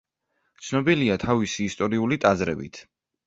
ცნობილია თავისი ისტორიული ტაძრებით.